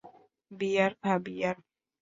বিয়ার খা, বিয়ার।